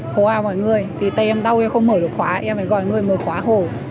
qua mọi người tay em đau em không mở được khóa em mới gọi mọi người mở khóa hổ